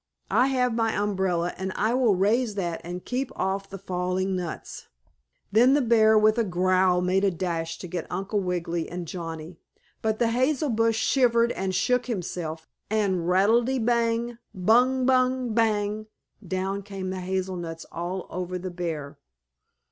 "I have my umbrella, and I will raise that and keep off the falling nuts." Then the bear, with a growl, made a dash to get Uncle Wiggily and Johnnie. But the hazel bush shivered and shook himself and "Rattle te bang! Bung bung! Bang!" down came the hazel nuts all over the bear.